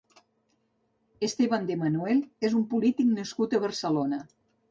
Esteban de Manuel és un polític nascut a Barcelona.